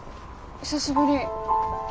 久しぶり。